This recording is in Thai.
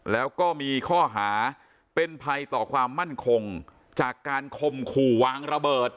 แล้วก็มีข้อหาเป็นภัยต่อความมั่นคงจากการคมขู่วางระเบิด